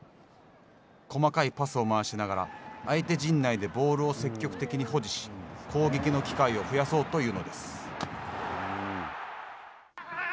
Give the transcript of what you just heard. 細かいパスを回しながら相手陣内でボールを積極的に保持し攻撃の機会を増やそうというのです。